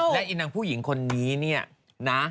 และอีนางผู้หญิงคนนี้เนี่ยนะ